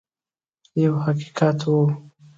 یو حقیقت وو.